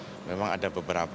jadi memang ada